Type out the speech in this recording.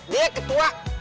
dia ketua klub anak jalanan